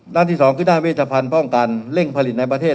ด้านที่๒คือด้านเวชพันธ์ป้องกันเร่งผลิตในประเทศ